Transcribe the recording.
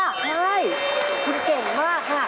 คุณเก่งมากค่ะ